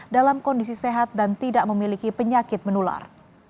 dalam kondisi sehat dan tidak memiliki penyakit menular